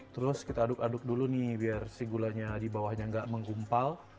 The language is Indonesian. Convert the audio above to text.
terus kita aduk aduk dulu nih biar si gulanya di bawahnya nggak menggumpal